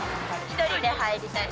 １人で入りたい。